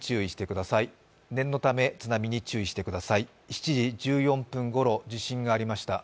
７時１４分ごろ、地震がありました。